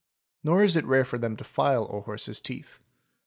Nor is it rare for them to file a horse's teeth.